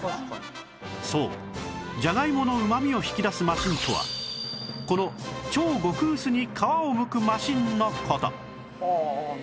そうじゃがいものうま味を引き出すマシンとはこの超極薄に皮をむくマシンの事